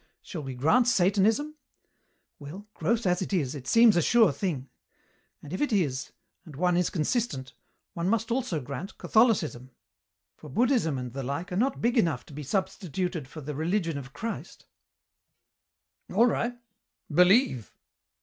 Shall we grant Satanism? Well, gross as it is, it seems a sure thing. And if it is, and one is consistent, one must also grant Catholicism for Buddhism and the like are not big enough to be substituted for the religion of Christ." "All right. Believe."